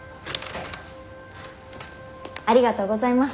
ありがとうございます。